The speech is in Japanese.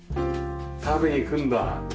食べに来るんだ。